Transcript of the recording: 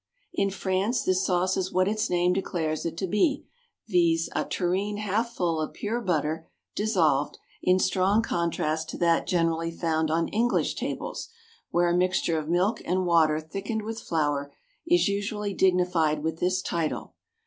= In France this sauce is what its name declares it to be, viz., a tureen half full of pure butter dissolved, in strong contrast to that generally found on English tables, where a mixture of milk and water thickened with flour, is usually dignified with this title.